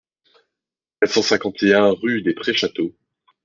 quatre cent cinquante et un rue des Prés Château